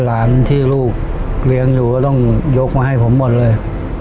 หลานที่ลูกเลี้ยงอยู่ก็ต้องยกมาให้ผมหมดเลย